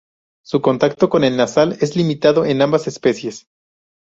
Su contacto con el nasal es limitado en ambas especies.